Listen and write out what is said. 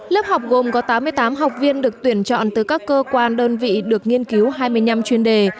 lớp học gồm có tám mươi tám học viên được tuyển chọn từ các cơ quan đơn vị được nghiên cứu hai mươi năm chuyên đề